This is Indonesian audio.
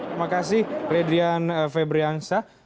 terima kasih redrian febriangsa